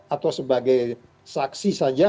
atau sebagai saksi saja